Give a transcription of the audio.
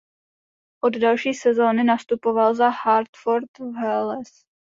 Od další sezony nastupoval za Hartford Whalers.